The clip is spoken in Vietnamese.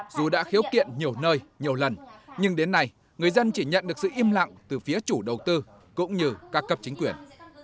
dù đã khiếu kiện nhiều nơi nhiều lần nhưng đến nay người dân chỉ nhận được sự im lặng từ phía chủ đầu tư cũng như các cấp chính quyền